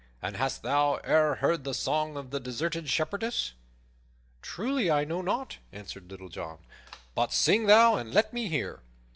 "And hast thou e'er heard the song of the Deserted Shepherdess?" "Truly, I know not," answered Little John, "but sing thou and let me hear."